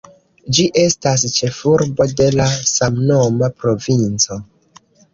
Ĝi estas ĉefurbo de la samnoma provinco.